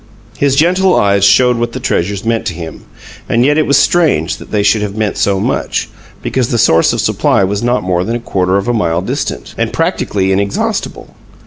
His gentle eyes showed what the treasures meant to him, and yet it was strange that they should have meant so much, because the source of supply was not more than a quarter of a mile distant, and practically inexhaustible.